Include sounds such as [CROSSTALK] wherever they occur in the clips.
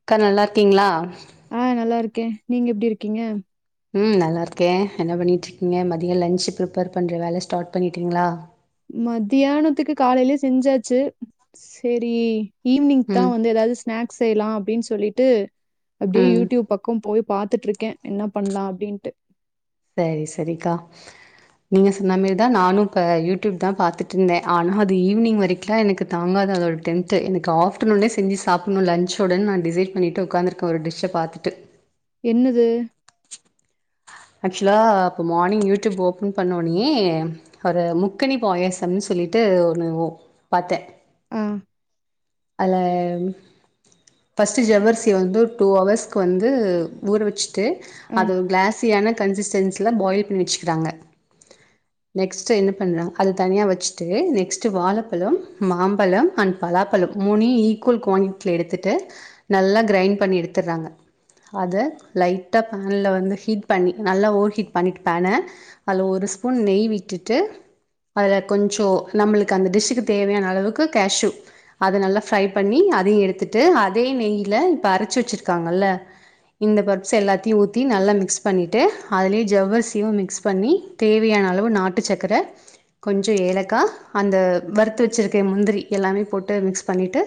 அக்கா நல்லா இருக்கீங்களா ஹா நல்லா இருக்கேன் நீங்க எப்டி இருக்கீங்க ம் நல்லருக்கேன் என்ன பண்ணிட்டு இருக்கீங்க மதியம் லஞ்ச் ப்ரிப்பேர் பண்ணுற வேல ஸ்டார்ட் பண்ணிட்டீங்களா மத்தியானத்துக்கு காலையிலயே செஞ்சாச்சு செரி ஈவினிங் ம் தான் எதாவது ஸ்னாக்ஸ் செய்யலாம் அப்பின்னு சொ சொல்லிட்டு அப்டியே ம் யூடியூப் பக்கம் போய் பாத்துட்டுருக்கேன் என்ன பண்ணலாம் அப்டின்ட்டு செரி செரிகா நீங்க சொன்ன மாரிதான் நானும் இப்ப யூடியூப் தான் பாத்துட்டு இருந்தேன் ஆனா அது ஈவினிங் வரைக்கும்லாம் எனக்கு தாங்காதது அதோட டென்ட் எனக்கு ஆப்டர்நூனே செஞ்சு சாப்படணும் லஞ்சோட நான் டிசட் பண்ணிட்டு உட்காந்துருக்கேன் ஒரு டிஷ்ஷ பாத்துட்டு என்னது ஆ ஆக்சுலா இப்போ மார்னிங் யூடியூப் ஓப்பன் பண்ணோடனே ஒரு முக்கணி பாயசம்னு சொல்லிவிட்டு ஒன்னு பாத்தேன் ஆஹா அதுல பர்ஸ்ட் ஜவர்சிய வந்து டூ ஹெவர்சுக்கு வந்து ஊற வச்சு ட்டு ஆ, அது கிளாஸ் எனக் கன்சிடென்சில பாயில் பண்ணி வச்சுட்டங்க நெக்ஸ்ட் என்ன பண்ண அது தனியா வச்சுட்டு நெக்ஸ்ட் வாழைப்பழம் மாம்பழம் அண்ட் பலாப்பழம் மூணயும் ஈக்குவல் குவாலிட்டி எடுத்துட்டு நல்லா கிரண் பண்ணி எடுத்துடுறாங்க அது லைட்டா பேன்ல வந்து ஹீட் பண்ணி நல்லா ஓர்ஹீட் பண்ணிட்டு பேன அதில் ஒரு ஸ்பூன் நெய் விட்டுட்டு அதில கொஞ்ச நம்மளுக்கு அந்த டிஷ்க்கு தேவையான அளவுக்கு கேஷ்யூ அதை நல்லா ப்ரை பண்ணி அதையும் எடுத்துட்டு அதே நெய்யில் இப்போ அரைச்சி வச்சிருக்காங்கல்ல இந்த பர்பஸ் எல்லாத்தையும் ஊற்றி நல்லா மிக்ஸ் பண்ணி ட்டு அதுலயே ஜவ்வரிசியும் மிக்ஸ் பண்ணி தேவையான அளவு நாட்டு சக்கரை கொஞ்ச ஏலக்கா அந்த வறுத்து வச்சிருக்க முந்திரி எல்லாமே போட்டு மிக்ஸ் பண்ணிட்டு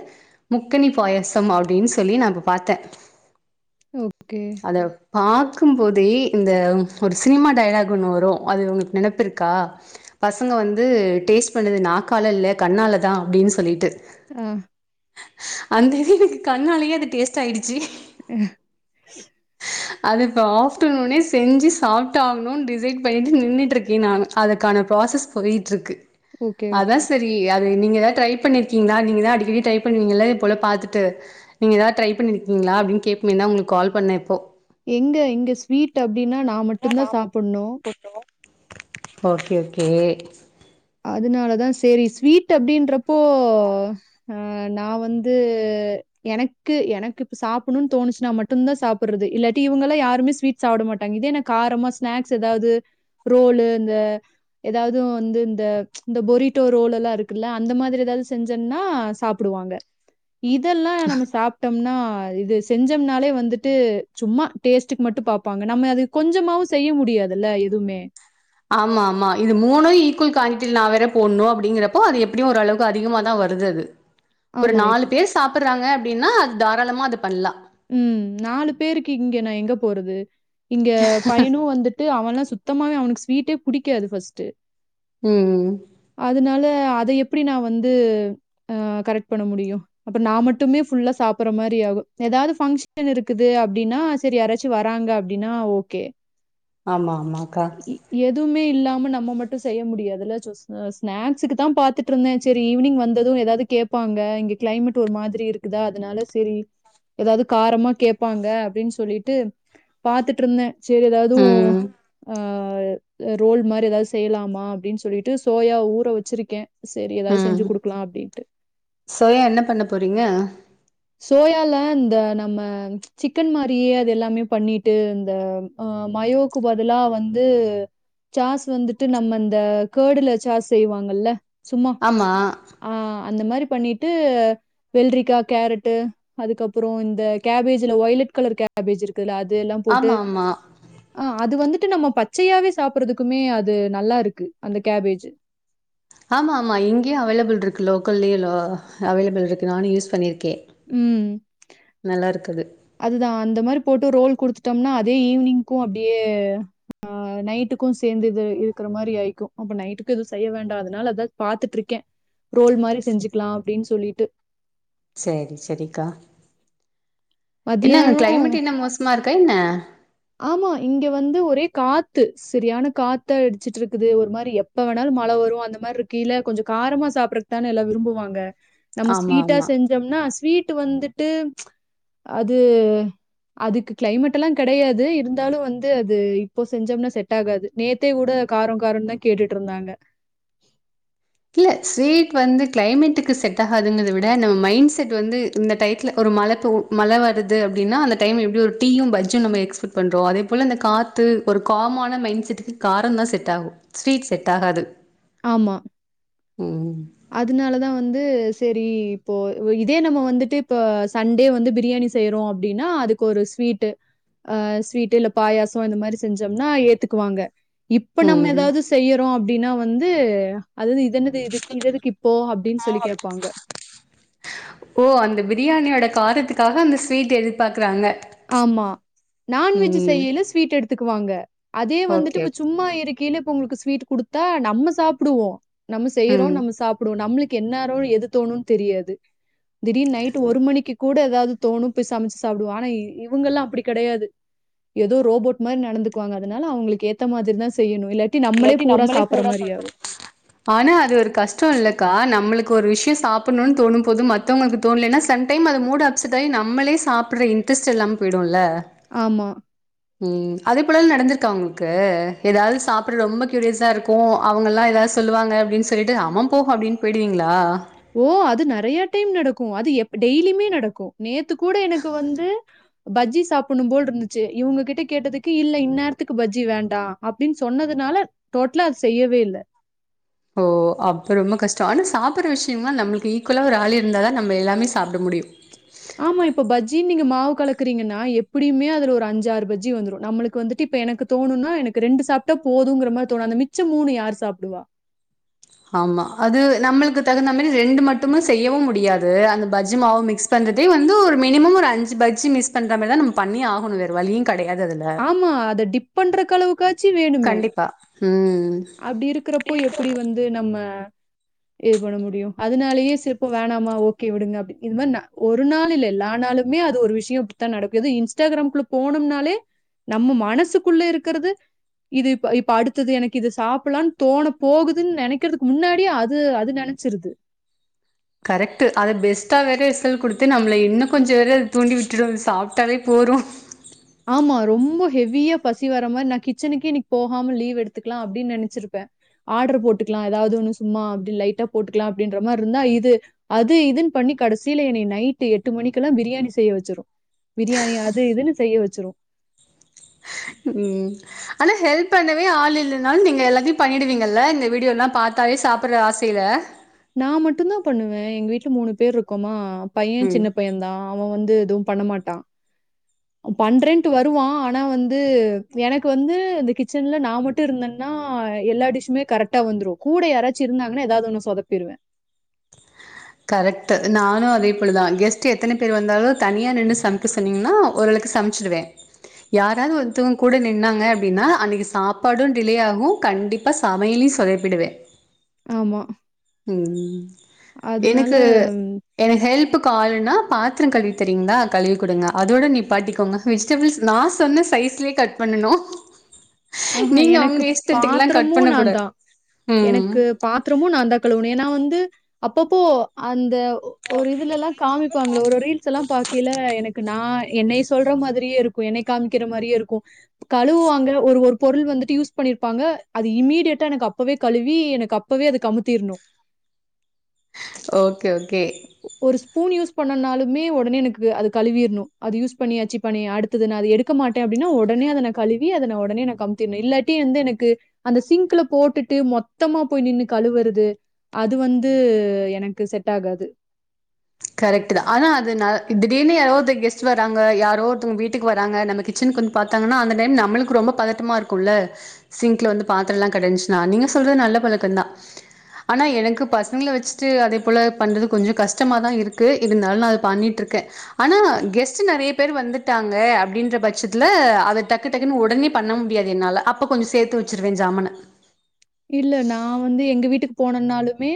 முக்கனி பாயசம் அப்டின்னு சொல்லி நான் பாத்தேன் ஓகே பாக்கும்போதே இந்த ஒரு சினிமா டைலாக் ஒன்னு வரும் அது உங்களுக்கு நெனப்பிருக்கா பசங்க வந்து டேஸ்ட் பண்ணுது நாக்கால இல்ல கண்ணால தான் அப்டின்னு சொல்லிவிட்டு ஆஹா அந்த இது எனக்கு கண்ணாலேயே அது டேஸ்ட் ஆயிடுச்சு [INAUDIBLE] அது இப்ப ஆப்டர்நூனே செஞ்சு சாப்ட் ஆகணும் டிசைட் பண்ணிவிட்டு நின்றுட்டுருக்கேன் நானு அதுக்கான ப்ராசஸ் போயிட்டுருக்கு ஓகே, ஓகே. அதான் சரி நீ ஏதாவது ட்ரை பண்ணிருக்கீளா நீங்கதான் அடிக்கடி ட்ரை பண்ணுவீங்களல்ல இது போல பாத்துட்டு நீங்க ஏதாவது ட்ரை பண்ணிருக்கீளா அப்டின்னு கேட்போம் மே தான் உங்க கால் பண்ணா இப்போ எங்க-எங்க ஸ்வீட் அப்டி ன்னா நான் மட்டும் தான் சாப்பணும் ஒ அதனாலதான் செரி ஸ்வீட் அப்டின்றப்போ ஹா நா வந்து எனக்கு-எனக்கு இப்ப சாப்பணும்னு தோணுச்சு நா மட்டும்தான் சாப்படுறது இல்லாட்டி இவுங்க எல்லாம் யாருமே ஸ்வீட் சாப்பிட மாட்டாங்க இதேன்ன காரமா ஸ்நாக்ஸ் ஏதாவது ரோல இந்த ஏதாவது வந்து இந்த-இந்த பொரிட்டோ ரோல் எல்லாம் இருக்குல்ல அந்த மாதிரி ஏதாவது செஞ்சேன்னா சாப்புடுவாங்க இதெல்லாம் நம்ம சாப்ட்டோம்னா ஹா இது செஞ்சம்னாலே வந்துட்டு சும்மா டேஸ்ட்டுக்கு மட்டும் பாப்பாங்க நம்ம அது கொஞ்சமாவும் செய்ய முடியாதுல்ல எதுவுமே ஆமா-ஆமா இது மூணும் ஈக்குவல் குவான்டிட்டில நா வேற போடணும் அப்படிங்கிறப்ப அது எப்படியும் ஓரளவுக்கு அதிகம தான் வருது அது ஒரு ஆமா. நாலு இப்போ பேர் சாப்றாங்க அப்டின்னா அது தாராளமாக அது பண்ணலாம் ம் நாலு பேருக்கு இங்க நான எங்க போறது இங்க பையனும் வந்துட்டு அவன் எல்லா சுத்தமாவே அ ஸ்வீட்டே புடிக்காது ஃபஸ்ட்டு ம் அதனால அத எப்டி நா வந்து ஆ கரெக்ட் பண்ண முடியோம் அப்ப நா மட்டுமே ஃபுல்லா சாப்பறா மாரி ஆகோ எதாவது ஃபங்க்ஷன் இருக்குது அப்டின்னா செரி யாராச்சு வராங்க அப்டின்னா ஓகே ஆமா ஆமாக்கா எதுவுமே இல்லா நம்ம மட்டோ செய்ய முடியாதுல ஸ்நாக்ஸுக்குதா பாத்துட்டுருந்தே செரி ஈவினிங் வந்ததோ எதாவது கேட்பாங்க இங்க கிளைமேட் ஒரு மாரியிருக்குதா அதனால செரி எதாவது காரமா கேப்பாங்க அப்டின்னு சொல்லிட்டு பாத்துட்டுயிருந்தே சேரி எதாவது ஓ ம் ஆ ரோல் மாரி எதாவது செய்யலாமா அப்டின்னு சொல்லிட்டு சோயா ஊற வெச்சிருக்கே ம் சோயா என்ன பண்ண போறீங்க சோயால இந்த நம்ம சிக்கன் மாரியே அது எல்லாமே பண்ணிட்டு இந்த அ மயோக்கு பதிலா வந்து சாஸ் வந்துட்டு நம்ம இந்த கர்டுல சாஸ் செய்வாங்கல்ல சும்மா ஆமா ஆ அந்த மாரி பண்ணிட்டு வெல்ரிக்கா கேரட் டு அதுக்கப்பறோம் இந்த கேபேஜ்ல வொய்லெட் கலர் கேபேஜ்யிருக் குதுல அதுயெல்லா போட்டு ஆமா ஆமா ஆ அது வந்து ட்டு நம்ம பச்சயாவே சாப்புறதுக்குமே அது நல்லாயிருக்கு அந்த கேபேஜ்ஜூ ஆமாம்மா இங்கயே அவைலபள்யிருக்கு லோக்கல்லயே அவைலபள்யிருக்கு நானே யூஸ் பண்ணியிருக் க்கே நல்லாயிருக்குது அதுதா அந்த மாரி போட்டு ரோல் குடுத்துட்டோம்னா அதே ஈவினிங்கோ அப்டியே ஆ நைட்டுக்கோ சேர்ந்து இது இருக்குற மாரி ஆயிக்கோ அப்ப நைட்டுக்கு எதுவோ செய்ய வேண்டா அதனால அத பாத்துட்டுயிருக்கே ரோல் மாரி செஞ்சுக்கலா அப்டின்னு சொல்லி ட்டு சேரி செரிக்கா என்னங்க மதியானம் கிளைமேட் என்ன மோசமாயிருக் வேண்ண ஆமா இங்க வந்து ஒரே காத்து சரியான காத்தா அடிச்சிட்டுயிருக்குது ஒரு மாரி எப்ப வேணாலோ மல வரோ அந்த மாரியிருக்கு இல்ல கொஞ்சோ காரமா சாப்புடுறதுக்குதான எல்லா விரும்புவாங்க நம்ம ஆமா ஸ்வீட்டா ஆமா செஞ்சோம்னா ஸ்வீட் வந்துட்டு அது அதுக்கு கிளைமேட்யெல்லாம் கெடையாது இருந்தாலோ வந்து அது இப்போ செஞ்சோம்னா செட் ஆகாது நேத்தே கூட காரோ காரோன்னுதா கேட்டுட்டுயிருந்தாங்க இல்ல ஸ்வீட் வந்து கிளைமேட்டுக்கு செட் ஆகதுங்குறத விட அந்த மைண்ட் செட் வந்து இந்த டையத்துல ஒரு மல மல வருது அப்டின்னா அந்த டைம் எப்டி ஒரு டீயோ பஜ்ஜோ நம்ம எக்ஸ்பெக்ட் பண்றோ அதே போல அந்த காத்து ஒரு காமான மைண்ட் செட்டுக்கு காரோதா செட் ஆகோ ஸ்வீட் செட்டாகாது ஆமா அதுனாலதா வந்து செரி இப்போ இதே நம்ம வந்துட்டு இப்ப சண்டே வந்து பிரியாணி செய்யறோம் அப்டின்னா அதுக்கு ஒரு ஸ்வீட்டு ஆஹ் ஸ்வீட்டு இல்ல பாயாசோ இந்த மாரி செஞ்சோம்னா ஏத்துக்குவாங்க இப்ப நம்ம ம் எதாவது செய்யறோம் அப் டின்னா வ ந்து அது இ தென்னது இதுக் இதெதுக்கு இப்போ அப்டின்னு சொல்லி கேப்பாங்க ஓ அந்த பிரியாணியோட காரத்துக்காக அந்த ஸ்வீட் எதிர்பாக்குறாங்க ஆமா நான்வெஜ் ம் செய்யல ஸ்வீட் எடுத் எடுத்துக்குவாங்க அதே வந்துட்டு ஓகே இப்ப சும்மா இருக்கையில்ல உங்களுக்கு ஸ்வீட் குடுத்தா நம்ம சாப்பிடுவோம் நம்ம செய்ரோம் ம் நம்ம சாப்புடுவோம் நம்மளுக்கு என்னாரும் எது தோணும்னு தெரியாது திடீர் நைட் ஒரு மணிக்கு கூட ஏதாவது தோணும் போய் சமைச்சு சாப்பிடுவா ஆனா இ இவங்கல்லாம் அப்புடி கெடையாது ஏதோ ரோபோட் மாரி நடந்துக்குவாங்க அதுனால அவங்களுக்கு ஏத்த மாதிரி தா செய்யணும் இல்லாட்டி நம்மளே பூரா சாப்புர மாரி ஆனா அது ஒரு கஷ்டம் இல்லக்கா நம்மளுக்கு ஒரு விஷயம் சாப்பிடனூம் தோனும்போது மத்தவங்களுக்கு தொனலன சாம் டையம் அது முடு அப்செட் ஆயி நம்லோ சப்புற இன்ரட்ஸ் இல்லாம போயிடுல்ல ஆமா. உஹம் அது போல நடந்துருக் இருக உங்களுக்கு ஏதாவது சாப்ட் ரொம்ப கியூரியாஸ இருக்கும் அவங்க எல்லாம் எதது சொல்லுவாங்கப்படின்னு சொல்லிட்டு ஆமா போ அப்படின்னு போயிடுவிங்க ஓ அது நிறைய டைம் நடக்கு அது எப்ப டெய்லியுமே நடக்கும் நேத்து கூட எனக்கு வந்து பஜ்ஜி சாப்பணும் போல் இருந்துச்சு இவங்க கிட்ட கேட்டதுக்கு இல்ல இந்நேரத்துக்கு பஜ்ஜி வேண்டாம் அப்படின்னு சொன்னதுனால டோட்டலா அது செய்யவே இல்ல ஓ அப்ப ரொம்ப கஷ்டம் ஆனா சாப்பிடற விஷயம்மா நம்மளுக்கு ஈக்குவலா ஒரு ஆள் இருந்தாதான் நம்ம எல்லாமே சாப்பிட முடியும் ஆமா இப்ப பஜ்ஜின்னு நீங்க மாவு கலக்கறீங்கன்னா எப்படியுமே அதுல ஒரு அஞ்சாறு பஜ்ஜி வந்துடும் நம்மளுக்கு வந்துட்டு இப்ப எனக்கு தோணும்னா எனக்கு ரெண்டு சாப்பிட்டா போதங்கிற மாதிரி தோணும் அந்த மிச்சம் மூணு யாரு சாப்புடுவா ஆமா அது நம்மளுக்கு தகுந்த மாரி ரெண்டு மட்டுமா செய்யவும் முடியாது அந்த பஜ்ஜ மாவு மிக்ஸ் பண்றதே வந்து ஒரு மினிமம் ஒரு அஞ்சு பஜ்ஜ மிகஸ் பண்ற மாதிரிதான் நம்ம பண்ணி ஆகணும் வோரவலியே ஆமா அத டிப் பண்றக்களவுக்கு எதுகட்சி வேணுமோ ஹம் அப்படி இருக்கிறப்போ எப்படி வந்து நம்ம இது பண்ண முடியும் அதனாலயே சிற்ப்பம் வேணாமா ஓகே விடுங்க அப்படின்னு இது மாரி ஒரு நாள் இல்ல எல்லா நாளுமே அது ஒரு விஷயம் இப்படித்தான் நடக்குது இன்ஸ்டாகிராமக்குள்ள போனம்னாலே நம்ம மனசுக்குள்ள இருக்கிறது இது இப்ப இப்ப அடுத்தது எனக்கு இது சாப்பிடலான்னு தோண போகுதுன்னு நினைக்கறதுக்கு முன்னாடியே அது அது நினைச்சிருது கரெக்ட் அதை பெஸ்ட்டா வேற ரிசல்கொடுத்து நம்மள இன்னும் கொஞ்சம் வேற தூண்டி விட்டுடும் சாப்ட்டாலே போறும் ஆமா ரொம்ப ஹெவியா பசி வர்ற மாரி நான் கிச்சனுக்கே இன்னைக்கு போகாம லீவ் எடுத்துக்கலாம் அப்டின்னு நெனைச்சிருப்பேன் ஆர்டர் போட்டுக்கலாம் ஏதாவது ஒண்ணு சும்மா அப்டி லைட்டா போட்டுக்கலாம் அப்டின்ற மாரி இருந்தா இது அது இதுன்னு பண்ணி கடைசியல என்ன நைட் எட்டு மணிக்கெல்லாம் பிரியாணி செய்ய வச்சிரும் பிரியாணி அது இதுன்னு செய்ய வச்சு துரு உம் ஆனா ஹெல்ப் பண்ணவே ஆள் இல்னாலும் நீங்க எல்லாத்தையும் பண்ணிடுவீங்கல்ல இந்த வீடியோ எல்லாம் பார்த்தாலே சாப்பிடுற ஆசையில்லா நான் மட்டும்தான் பண்ணுவேன் எங்க வீட்டுல மூணு பேர் இருக்கோமா பைய ம். சின்ன பையன் தா அவ வந்து ம் பண்ண மாட்ட பண்றேன்ட்டு வரு வாஆனா வந்து எனக்கு வந்து இந்த கிச்சன்ல நான் மட்டும் இருந்தேன்னா எல்லா டிஷ்மே கரெக்ட்டாவந்துாரும் கூட யர்ச்சும் இருந்தாங்கனா எதச்சும் ஒன்னு சோதப்பி அப்பிருவேன் கரெக்ட் நானும் அதேப்பேலதான் கெஸ்ட்டுஎத்தனை பேர் வந்தாலும் தனியா நின்று சமைக்க சொன்னீங்கன்னா ஓளுக்கு சமைச்சிடுவேன் யாராவது ஒருத்தவங்க கூட நின்னாங்க அப்படின்னா அன்னைக்கு சாப்பாடும் டிலே ஆகும் கண்டிப்பா சமையலையும் சொதைப்பிடுவேன் ஆமா ம் ம் அதனால எனக்கு எனக் ஹெல்ப்க்கு அளுன்னா பாத்திரோ கழுவிதரிங்களா கழுவி குடுங்க அதோட நீ பாட்டிக்கோங்கவெஜ்டபிள்ஸ் நான் சொன்ன சைஸ்லே கட் பண்ணனும் ஆஹஹா எனக்கு பண்ண பாத்திரமும் கூடாது நான்தா ம் எனக்கு பாத்ரமும் நான்தா கழுவணும் ஏன்னா வந்து அப்பப்போ அந்த ஒரு இதுல எல்லாம் காமிக்குவாங்கள ஒரு ரீல்ஸ் எல்லாம் பாக்கைல எனக்கு நான் என்னை சொல்ற மாரியே இருக்கும் என்னை காமிக்கிற மாரியே இருக்கும் கழுவுாங்க ஒரு ஒரு பொருள் வந்துட்டு யூஸ் பண்ணிருப்பாங்க அது இமீடியட்டா எனக்கு அப்வே கழுவி எனக்கு அப்வே அது கமுத்திரணும் ஓகே ஓகே ஒரு ஸ்பூன் யூஸ் பண்ணனாலுமே உடனே எனக்கு அது கழுவிஈர்ணும் அது யூஸ் பண்ணி அச்சி பண்ணி அடுத்தது நான் அது எடுக்க மாட்டேன் அப்படின்னா உடனே அத நா கழுவி அத உடனே நா கம்த்திடணும் இல்லாட்டி வந்து எனக்கு அந்த சிங்க்ல போட்டுட்டு மொத்தமா போய் நின்று கழுவுறது அது வந்து எனக்கு செட் ஆகாது த்து கரெக்ட் தான் ஆனா அது நா திடீர்னு யாரோ ஒருத்தர் கெஸ்ட் வராங்க யாரோ ஒருத்தவங்க வீட்டுக்கு வராங்க நம்ம கிச்சன் பாத்தாங்கன்னா அந்த டைம் நம்மளுக்கு ரொம்ப பதட்டமா இருக்கும்ல்ல சிங்க்ல வந்து பாத்திரம் எல்லாம் கிடைந்துச்சுனா நீங்க சொல்றது நல்ல பழக்கம் தான் ஆனா எனக்கு பசங்களை வச்சுட்டு அதே போல பண்றது கொஞ்சம் கஷ் கஷ்டமா தான் இருக்கு இருந்தாலும் நான் அதது பண்ணிட்டு இருக்கேன் ஆனா கெஸ்ட் நிறைய பேர் வந்துட்டாங்க அப்படின்ற பட்சத்துல அதை டக்கு டக்குன்னு உடனே பண்ண முடியாது என்னால அப்ப கொஞ்சம் சேர்த்து வச்சிருவேன் ஜாமன் இல்ல நான வந்து எங்க வீட்டுக்கு போனேனாலுமே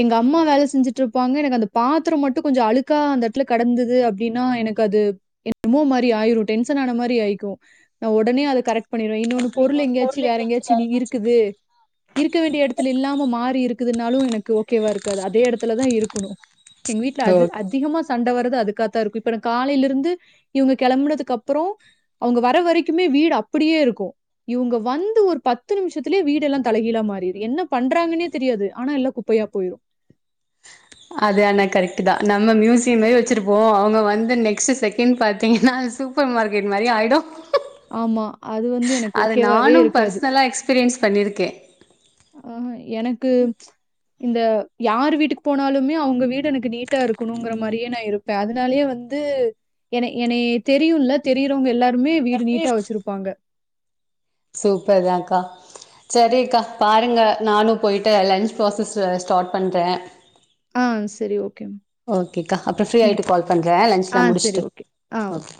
எங்க அம்மா வேல செஞ்சுட்டு இருப்பாங்க எனக்கு அந்த பாத்திரம் மட்டும் கொஞ்சம் அழுக்கா அந்த இடத்துல கடந்தது அப்டின்னா எனக்கு அது என் ரமோ மாரி ஆயிரும் டென்ஷன் ஆன மாரி ஆயக்கும் நான உடனே அதது கரெக்ட் பண்ணிடுன் இன்னொன்னு பொருள் எங்கேயாச்சும் வேற எங்கேயாச்சும் நீ இருக்குது இருக்க வேண்டிய இடத்துல இல்லாம மாறி இருக்குதுனாலும் எனக்கு ஓகேவா இருக்காது அதே இடத்துலதான் இருக்கணும் எங்க வீட்ல அது எங்கயாச்சு அதிகமா சண்ட வர அதுக்கத்தான் இருக்கும் இப்ப காலில இருந்து இவங்க கிளம்பனதுக்கு அப்பறம் அவங்க வர வரைக்குமே வீடு அப்டியே இருக்கும் இவங்க வந்து ஒரு பத்து நிமிஷத்திலே வீடு எல்லாம் தலைகீலா மாறிரும் என்ன பண்றாங்கன்னே தெரியாது ஆனா எல்லாம் குப்பையா போயிரும் அது ஆனா கரெக்ட் தான் நம்ம மியூசியம் மாரி வச்சிருப்போம் அவங்க வந்து நெக்ஸ்ட் செகண்ட் பாத்தீங்கன்னா சூப்பர் மார்க்கெட் மாரி ஆயிடும் ஆமா அது வந்து எனக்கு அது ஓகேவாவே நானும் இருக்காது பர்சனலா எக்ஸ்பீரியன்ஸ் பண்ணியிருக்கேன் ஆஹ் எனக்கு இந்த யார் வீட்டுக்கு போனாலுமே அவங்க வீடு எனக்கு நீட்டா இருக்கணுங்கிற மாரியே நான் இருப்பேன் அதனாலயே வந்து என என தெரியும்ல தெரியறவங்க எல்லார ருமே வீடு நீட்டா வச்சிருப்பாங்க சூப்பர் தான்க்கா சரிக்கா பாருங்க நானும் போயிட்டு லன்ச் ப்ராசஸ் ஸ்டார்ட் பண்றேன் ஆ சரி, ஓகே. ஓகேக்கா அப்புறம் ஃப்ரீ ம். ஆய்ட்டு கால் பண்றன் லஞ்ச்லா ஆ சரி, முடிச்சுட்டு ஓகே. ஆ ஓகே